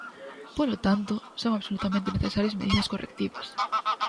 Polo tanto, son absolutamente necesarias medidas correctivas.